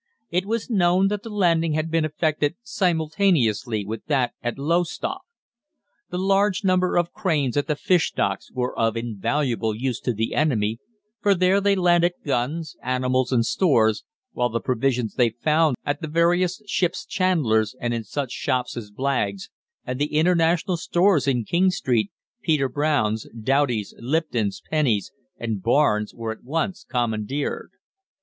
It was known that the landing had been effected simultaneously with that at Lowestoft. The large number of cranes at the fish docks were of invaluable use to the enemy, for there they landed guns, animals, and stores, while the provisions they found at the various ship's chandlers, and in such shops as Blagg's, and the International Stores in King Street, Peter Brown's, Doughty's, Lipton's, Penny's and Barnes's, were at once commandeered.